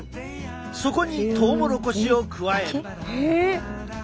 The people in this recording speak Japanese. そこにトウモロコシを加える。